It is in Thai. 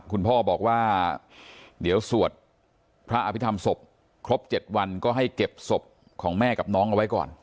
คุณพ่อบอกว่าเดี๋ยวสวดพระอภิษฐรรมศพครบ๗วันก็ให้เก็บศพของแม่กับน้องเอาไว้ก่อน